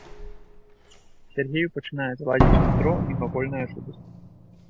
Сяргею пачынае залазіць у нутро мімавольная жудасць.